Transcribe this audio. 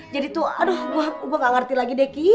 jadi tuh aduh gue gak ngerti lagi deh ki